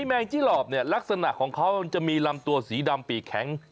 แมงจี้หลอบเนี่ยลักษณะของเขามันจะมีลำตัวสีดำปีกแข็ง